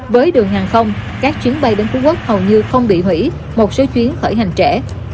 với đường hàng không các chuyến bay đến phú quốc hầu như không bị hủy một số chuyến khởi hành trẻ